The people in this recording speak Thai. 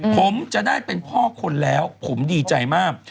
ผมจะได้เป็นพ่อคนแล้วผมดีใจมาก